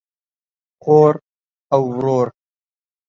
خور او ورور